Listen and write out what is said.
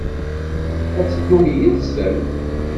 Ad teddum yid-sen?